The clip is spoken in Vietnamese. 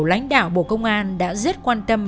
lãnh đạo bộ công an đã rất quan tâm